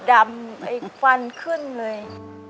ดำไอ้ควันขึ้นเลย